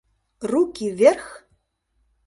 Руки вверх!